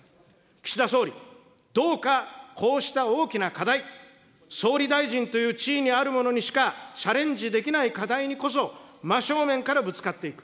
岸田総理、どうかこうした大きな課題、総理大臣という地位にある者にしかチャレンジできない課題にこそ、真正面からぶつかっていく。